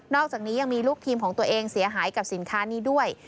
อกจากนี้ยังมีลูกทีมของตัวเองเสียหายกับสินค้านี้ด้วย